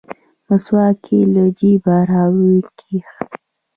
مسواک يې له جيبه راوکيښ.